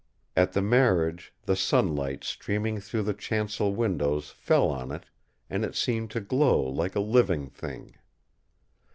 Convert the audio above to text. At the marriage the sunlight streaming through the chancel windows fell on it, and it seemed to glow like a living thing.